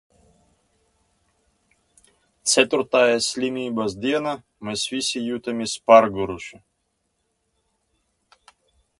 Ceturtajā slimības dienā mēs visi jutāmies pārguruši.